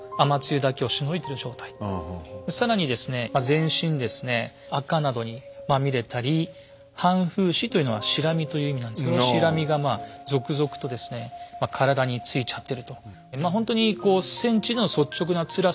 全身ですねあかなどにまみれたり「半風子」というのは「シラミ」という意味なんですけどシラミがまあ続々と体についちゃってると。